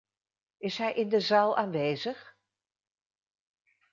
Is hij in de zaal aanwezig?